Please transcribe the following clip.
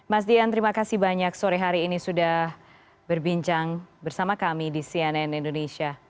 mas dian terima kasih banyak sore hari ini sudah berbincang bersama kami di cnn indonesia